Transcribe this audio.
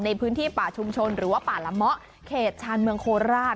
ในพื้นที่ป่าชุมชนหรือว่าป่าละเมาะเขตชาญเมืองโคราช